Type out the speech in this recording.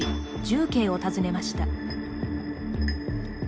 重慶を訪ねました。